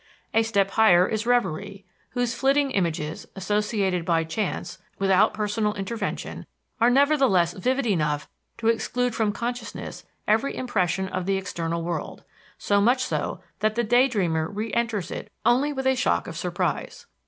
A step higher is revery, whose flitting images, associated by chance, without personal intervention, are nevertheless vivid enough to exclude from consciousness every impression of the external world so much so that the day dreamer re enters it only with a shock of surprise.